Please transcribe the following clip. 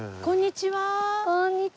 こんにちは。